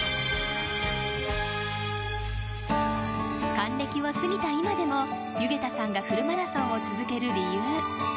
還暦を過ぎた今でも弓削田さんがフルマラソンを続ける理由。